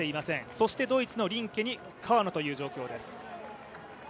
そしてドイツのリンケに川野という状況です。